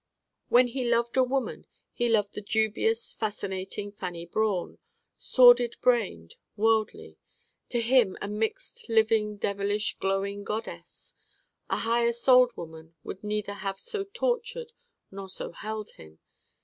When he loved a woman he loved the dubious fascinating Fanny Brawn sordid brained, worldly: to him a mixed living devilish glowing goddess. A higher souled woman would neither have so tortured nor so held him.